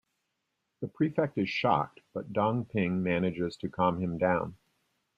The prefect is shocked but Dong Ping manages to calm him down.